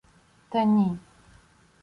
— Та ні.